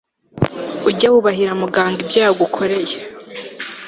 ujye wubahira muganga ibyo yagukoreye